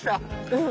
うん。